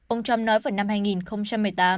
ông trump nói vào năm hai nghìn một mươi tám